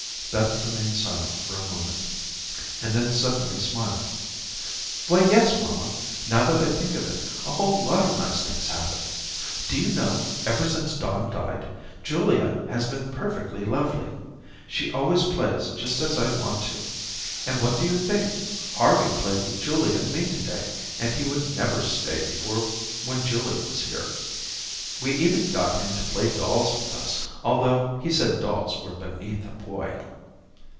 Beth remained silent for a moment, and then suddenly smiled. "Why, yes, mamma, now that I think of it, a whole lot of nice things happened. Do you know, ever since Don died, Julia has been perfectly lovely. She always plays just as I want to. And what do you think? Harvey played with Julia and me to day, and he would never stay before when Julia was here. We even got him to play dolls with us, although he said dolls were beneath a boy."